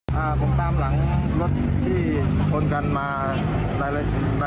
ในตอนนั้นผมก็เลยต้องถัดลบ